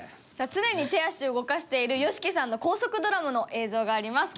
常に手足を動かしているＹＯＳＨＩＫＩさんの高速ドラムの映像があります。